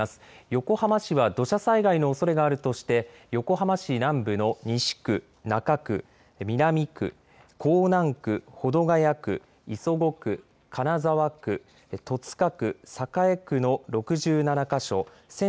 横浜市は土砂災害のおそれがあるとして横浜市南部の西区、中区、南区、港南区、保土ケ谷区、磯子区、金沢区、戸塚区、栄区の６７か所１３５４